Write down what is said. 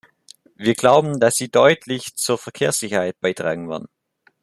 Wir glauben, dass sie deutlich zur Verkehrssicherheit beitragen werden.